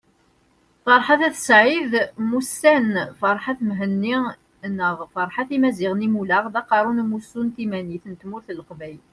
Ferḥat At Said mmusan Ferhat Mehenni neɣ Ferhat Imazighen Imula, d Aqerru n Umussu n Timanit n Tmurt n Leqbayel